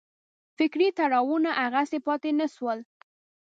فکري تړاوونه هغسې پاتې نه شول.